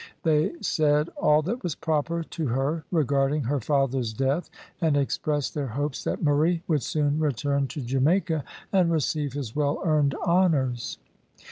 They said all that was proper to her regarding her father's death, and expressed their hopes that Murray would soon return to Jamaica and receive his well earned honours.